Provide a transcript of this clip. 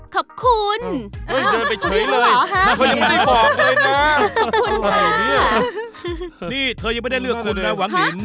ขอบคุณเนี่ยไม่ได้เลือกคุณเลยนะวางลิน